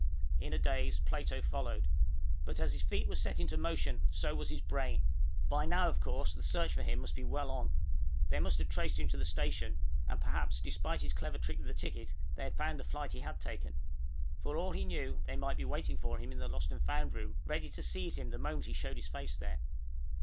In a daze, Plato followed. But as his feet were set into motion, so was his brain. By now, of course, the search for him must be well on. They must have traced him to the station, and perhaps, despite his clever trick with the ticket, they had found the flight he had taken. For all he knew, they might be waiting for him in the Lost and Found room, ready to seize him the moment he showed his face there.